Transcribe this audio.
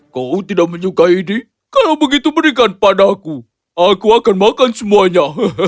kau tidak menyukai ini kalau begitu berikan padaku aku akan makan semuanya